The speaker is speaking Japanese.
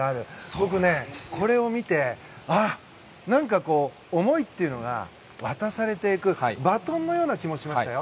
僕ね、これを見て何かこう、思いっていうのが渡されていくバトンのような気もしました。